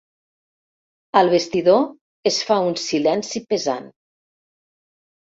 Al vestidor es fa un silenci pesant.